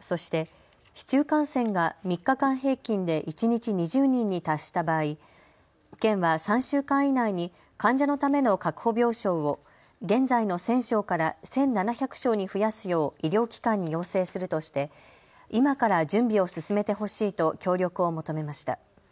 そして、市中感染が３日間平均で一日２０人に達した場合、県は３週間以内に患者のための確保病床を現在の１０００床から１７００床に増やすよう医療機関に要請するとして今から準備を進めてほしいと協力を求めました。